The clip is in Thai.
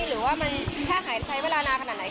หรือว่ามันแค่หายใช้เวลานานขนาดไหน